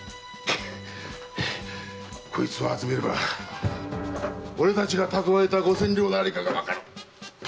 こいつを集めれば俺たちが蓄えた五千両の在処がわかる。